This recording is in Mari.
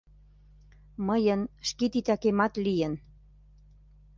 Мыйын шке титакемат лийын.